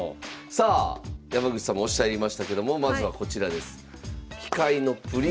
さあ山口さんもおっしゃいましたけどもまずはこちらです。